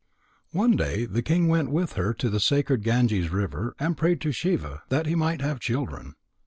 One day the king went with her to the sacred Ganges river and prayed to Shiva that he might have children.